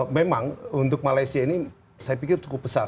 memang untuk malaysia ini saya pikir cukup besar